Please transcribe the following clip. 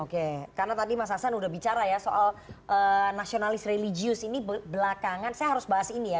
oke karena tadi mas hasan udah bicara ya soal nasionalis religius ini belakangan saya harus bahas ini ya